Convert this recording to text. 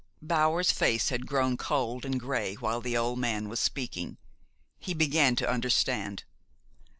Bower's face had grown cold and gray while the old man was speaking. He began to understand.